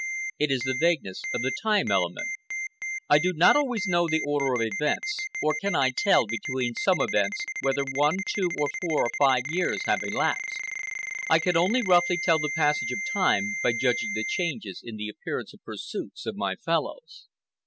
It is the vagueness of the time element. I do not always know the order of events;—or can I tell, between some events, whether one, two, or four or five years have elapsed. I can only roughly tell the passage of time by judging the changes in the appearance and pursuits of my fellows.